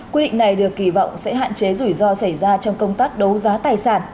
quy định này được kỳ vọng sẽ hạn chế rủi ro xảy ra trong công tác đấu giá tài sản